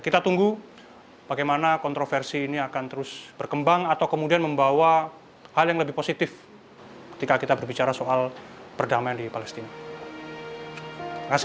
kita tunggu bagaimana kontroversi ini akan terus berkembang atau kemudian membawa hal yang lebih positif ketika kita berbicara soal perdamaian di palestina